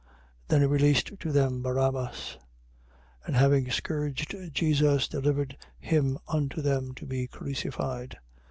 27:26. Then he released to them Barabbas: and having scourged Jesus, delivered him unto them to be crucified.